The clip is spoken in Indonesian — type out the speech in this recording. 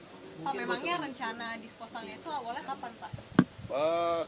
jadi inilah rencana disposalnya itu awalnya kapan pak